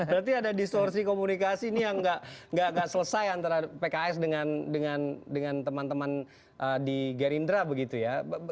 berarti ada distorsi komunikasi ini yang nggak selesai antara pks dengan teman teman di gerindra begitu ya